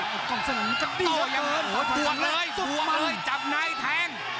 กระโต้ยังหัวเตือนเลยหัวเตือนเลยจับน้ายแท้ง